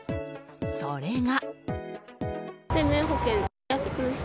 それが。